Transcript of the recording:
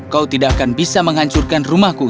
kau tidak akan bisa menghancurkan rumahku